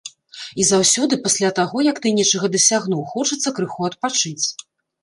І заўсёды пасля таго, як ты нечага дасягнуў, хочацца крыху адпачыць.